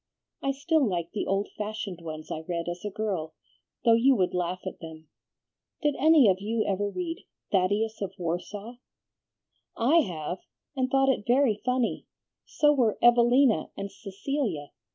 I still like the old fashioned ones I read as a girl, though you would laugh at them. Did any of you ever read 'Thaddeus of Warsaw'?" "I have, and thought it very funny; so were 'Evelina' and 'Cecilia.'